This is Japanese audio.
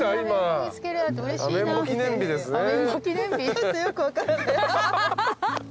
ちょっとよく分からない。